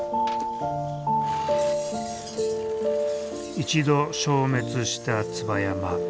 一度消滅した椿山。